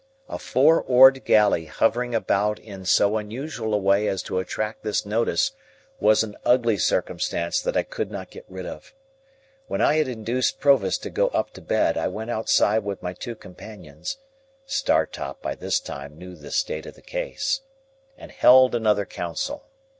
A four oared galley hovering about in so unusual a way as to attract this notice was an ugly circumstance that I could not get rid of. When I had induced Provis to go up to bed, I went outside with my two companions (Startop by this time knew the state of the case), and held another council.